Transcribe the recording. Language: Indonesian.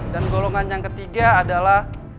dan golongan yang ketiga adalah